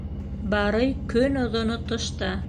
Барый көноҙоно тышта.